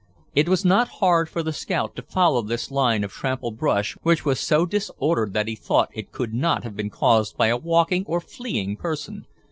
It was not hard for the scout to follow this line of trampled brush which was so disordered that he thought it could not have been caused by a walking or fleeing person.